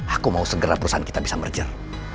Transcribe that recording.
aku mau segera perusahaan kita bisa merger